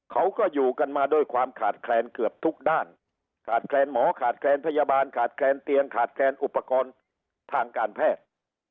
เขาก็อยู่กันมาด้วยความขาดแคลนเกือบทุกด้านขาดแคลนหมอขาดแคลนพยาบาลขาดแคลนเตียงขาดแคลนอุปกรณ์ทางการแพทย์